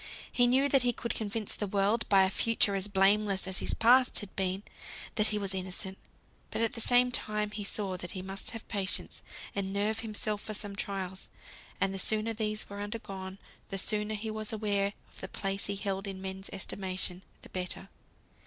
He knew that he could convince the world, by a future as blameless as his past had been, that he was innocent. But at the same time he saw that he must have patience, and nerve himself for some trials; and the sooner these were undergone, the sooner he was aware of the place he held in men's estimation, the better.